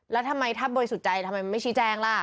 แล้วทำไมถ้าโบยสุดใจทำไมไม่ชี้แจ้งล่ะ